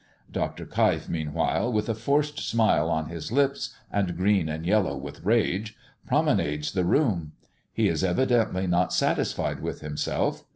Dr. Keif, meanwhile, with a forced smile on his lips, and green and yellow with rage, promenades the room. He is evidently not satisfied with himself.